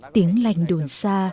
tiếng lành đồn xa